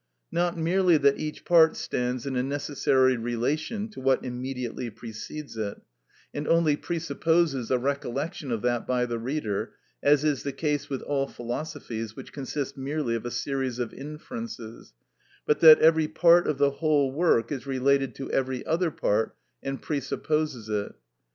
Not merely that each part stands in a necessary relation to what immediately precedes it, and only presupposes a recollection of that by the reader, as is the case with all philosophies which consist merely of a series of inferences, but that every part of the whole work is related to every other part and presupposes it.